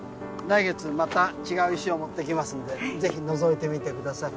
来月また違う石を持ってきますんでぜひのぞいてみてください。